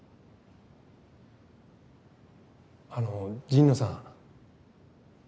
あの神野さん。